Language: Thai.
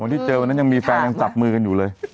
ที่เจอวันนั้นยังมีแฟนยังจับมือกันอยู่เลย